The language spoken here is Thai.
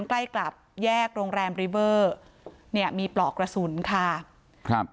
ใกล้กับแยกโรงแรมริเวอร์เนี่ยมีปลอกกระสุนค่ะครับ